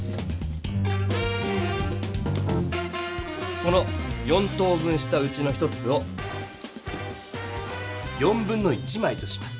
この４等分したうちの１つを1/4枚とします。